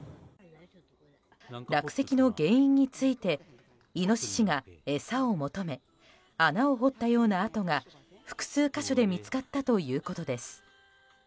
落石の原因についてイノシシが餌を求め穴を掘ったような跡が複数箇所で見つかったということです。